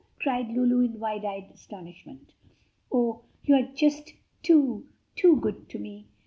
cried Lulu in wide eyed astonishment. "Oh, you are just too, too good to me!